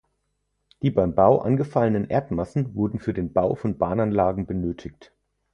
Die beim Bau angefallenen Erdmassen wurden für den Bau von Bahnanlagen benötigt.